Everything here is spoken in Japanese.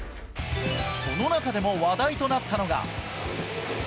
その中でも話題となったのが。